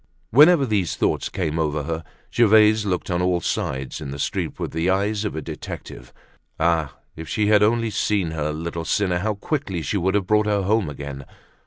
Whenever these thoughts came over her, Gervaise looked on all sides in the streets with the eyes of a detective. Ah! if she had only seen her little sinner, how quickly she would have brought her home again!